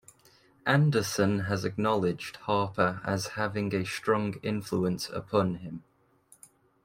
Anderson has acknowledged Harper as having a strong influence upon him.